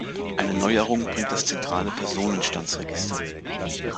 Eine Neuerung bringt das Zentrale Personenstandsregister.